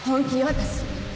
私。